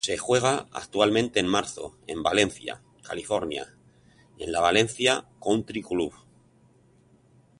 Se juega anualmente en marzo en Valencia, California en el Valencia Country Club.